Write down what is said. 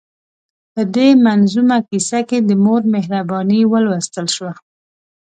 په دې منظومه کیسه کې د مور مهرباني ولوستل شوه.